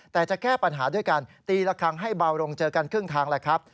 แต่จะแก้ปัญหาด้วยการตีละครั้งให้เบาลงเจอกันครึ่งทางแหละครับ